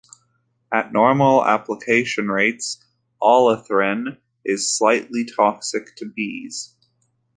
At normal application rates, allethrin is slightly toxic to bees.